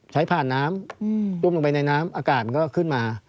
ผ่านน้ำต้มลงไปในน้ำอากาศมันก็ขึ้นมา